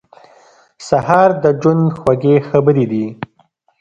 سهار د ژوند خوږې خبرې دي.